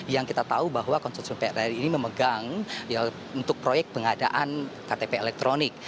yang kita tahu bahwa konsorsium pr ini memegang untuk proyek pengadaan ktp elektronik